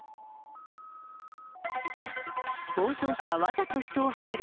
暴走車、わざと人をはねる。